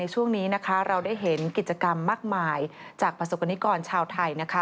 ช่วงนี้นะคะเราได้เห็นกิจกรรมมากมายจากประสบกรณิกรชาวไทยนะคะ